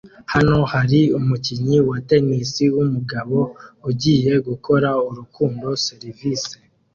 Hano hari umukinnyi wa tennis wumugabo ugiye gukora urukundo serivise